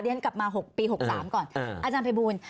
กลับมา๖ปี๖๓ก่อนอาจารย์ภัยบูล